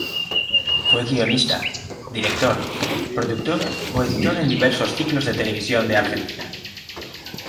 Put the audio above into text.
Fue guionista, director, productor o editor en diversos ciclos de televisión de Argentina.